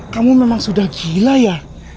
kamu memang sudah gila ya